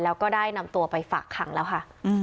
แล้วก็ได้นำตัวไปฝากขังแล้วค่ะ